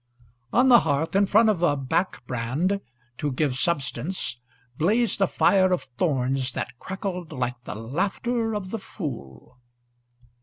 On the hearth, in front of a back brand to give substance, blazed a fire of thorns, that crackled "like the laughter of the fool."